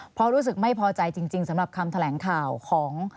เพราะรู้สึกไม่พอใจจริงสำหรับคำแถลงข่าวของ